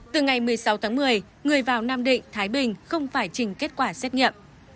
từ ngày một mươi sáu tháng một mươi người vào nam định thái bình không phải trình kết quả xét nghiệm